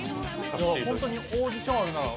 本当にオーディションあるなら。